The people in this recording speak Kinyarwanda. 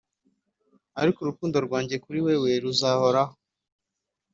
ariko urukundo rwanjye kuri wewe ruzahoraho,